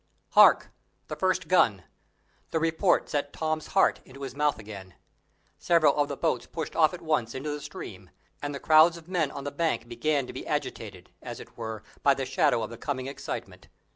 Hark! the first gun. The report sent Tom's heart into his mouth again. Several of the boats pushed off at once into the stream; and the crowds of men on the bank began to be agitated, as it were, by the shadow of the coming excitement.